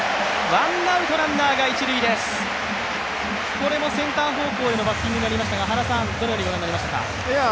これもセンタ−方向へのバッティングになりましたが、原さんどのようにご覧になりましたか？